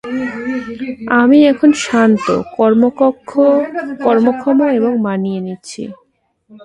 আমি এখন শান্ত, কর্মক্ষম এবং মানিয়ে নিচ্ছি!